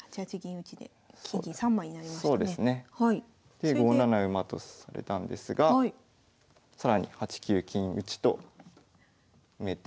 で５七馬とされたんですが更に８九金打と埋めて。